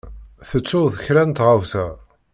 Tettuḍ kra n tɣawsa?